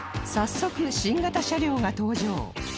早速新型車両が登場